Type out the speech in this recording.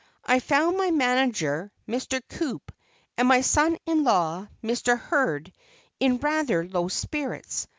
I found my manager, Mr. Coup, and my son in law, Mr. Hurd, in rather low spirits.